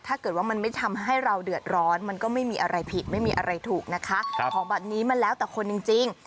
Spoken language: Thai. ถ้าเกิดว่ามันไม่ทำให้เราเดือดร้อนมันก็ไม่มีอะไรผิดไม่มีอะไรถูกนะคะของแบบนี้มันแล้วแต่คนจริง